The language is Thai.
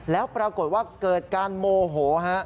แล้วปรากฏว่าเกิดการโมโหฮะ